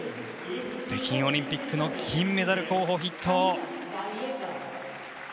北京オリンピックの金メダル候補筆頭。